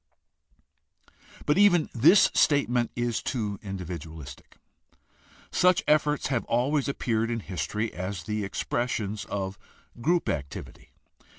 But even this statement is too individualistic. Such efforts have always appeared in history as the expressions of group activity.